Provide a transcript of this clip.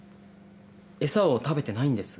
エサを食べてないんです。